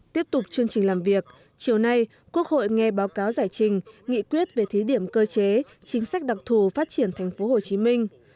tiếp tục chương trình làm việc chiều nay quốc hội nghe báo cáo giải trình nghị quyết về thí điểm cơ chế chính sách đặc thù phát triển thành phố hồ chí minh